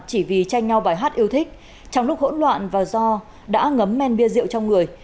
chỉ vì tranh nhau bài hát yêu thích trong lúc hỗn loạn và do đã ngấm men bia rượu trong người